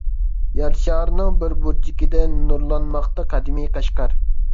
يەر شارىنىڭ بىر بۇرجىكىدە نۇرلانماقتا قەدىمىي قەشقەر.